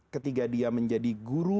ketika dia menjadi guru